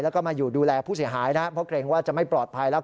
แล้วก็มาอยู่ดูแลผู้เสียหายนะเพราะเกรงว่าจะไม่ปลอดภัยแล้ว